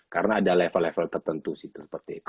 karena ada level level tertentu sih seperti itu